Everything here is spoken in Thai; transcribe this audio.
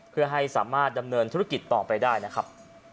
เพื่อให้สามารถดำเนินธุรกิจต่อไปได้นะครับ